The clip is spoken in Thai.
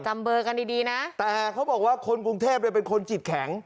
เบอร์กันดีดีนะแต่เขาบอกว่าคนกรุงเทพเนี่ยเป็นคนจิตแข็ง